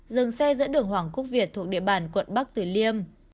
dừng xe giữa đường hoàng quốc việt thuộc địa bàn quận bắc tử liêm